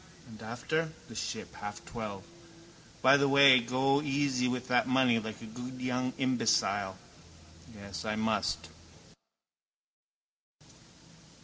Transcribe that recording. And after? The Ship, half twelve. By the way go easy with that money like a good young imbecile. Yes, I must.